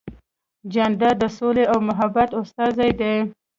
جانداد د سولې او محبت استازی دی.